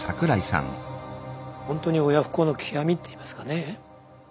ほんとに親不孝の極みっていいますかね。